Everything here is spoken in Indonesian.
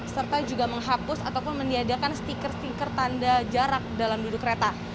serta juga menghapus ataupun meniadakan stiker stiker tanda jarak dalam duduk kereta